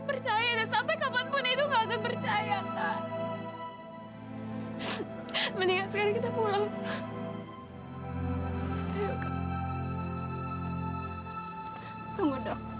percaya sampai kapanpun itu nggak percaya mendingan sekarang kita pulang